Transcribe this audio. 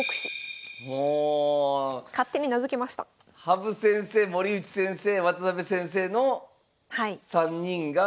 羽生先生森内先生渡辺先生の３人が。